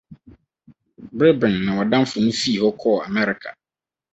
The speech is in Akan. Bere bɛn na w'adamfo no fii hɔ kɔɔ Amerika?